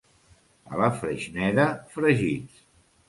A la Freixneda, fregits.